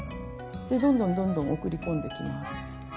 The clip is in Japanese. でどんどんどんどん送り込んでいきます。